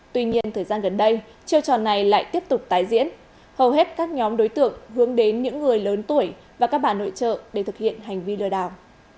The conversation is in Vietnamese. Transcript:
tuy nhiên thời gian gần đây chiêu trò này lại tiếp tục tái diễn hầu hết các nhóm đối tượng hướng đến những người lớn tuổi và các bà nội trợ để thực hiện hành vi lừa đảo